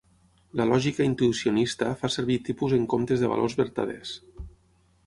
La lògica intuïcionista fa servir tipus en comptes de valors vertaders.